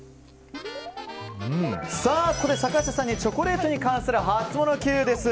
さあ、ここで坂下さんにチョコレートに関するハツモノＱです。